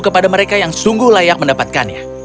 kepada mereka yang sungguh layak mendapatkannya